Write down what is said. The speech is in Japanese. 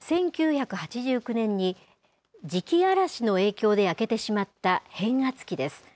１９８９年に、磁気嵐の影響で焼けてしまった変圧器です。